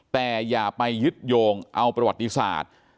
แต่อย่าไปยึดโยงเอาประวัติศาสตร์